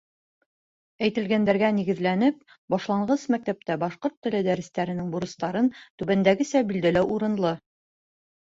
Әйтелгәндәргә нигеҙләнеп, башланғыс мәктәптә башҡорт теле дәрестәренең бурыстарын түбәндәгесә билдәләү урынлы: